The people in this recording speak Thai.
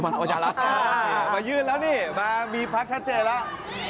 มายื่นแล้วนี่มีพักชัดเจนแล้ว